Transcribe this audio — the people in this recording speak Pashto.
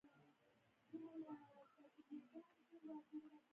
ما ورته وویل: هغه کله ولاړه، په کوم وخت؟